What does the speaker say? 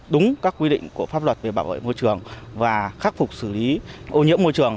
đúng các quy định của pháp luật về bảo vệ môi trường và khắc phục xử lý ô nhiễm môi trường